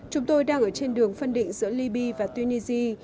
chúng tôi đang ở trên đường phân định giữa libya và tunisia